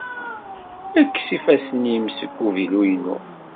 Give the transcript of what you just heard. Kkes ifassen-im seg uvilu-inu!